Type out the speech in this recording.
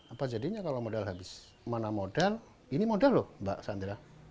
apa jadinya kalau modal habis mana modal ini modal loh mbak sandra